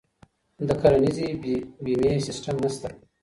د کرنیزې بیمې سیستم نشته.